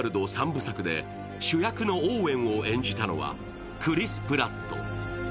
３部作で主役のオーウェンを演じたのはクリス・プラット。